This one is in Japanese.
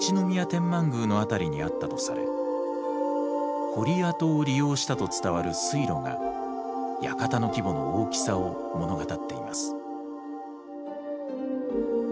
天満宮の辺りにあったとされ堀跡を利用したと伝わる水路が館の規模の大きさを物語っています。